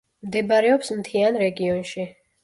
მდებარეობს მთიან რეგიონში.